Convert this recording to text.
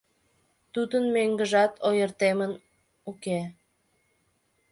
Тудын мӧҥгыжат ойыртемын уке.